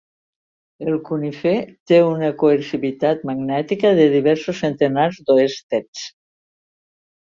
El cunife té una coercitivitat magnètica de diversos centenars d'oersteds.